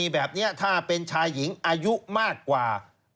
แบบนี้ถ้าเป็นชายหญิงอายุมากกว่า